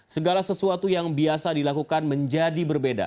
segala sesuatu yang biasa dilakukan menjadi berbeda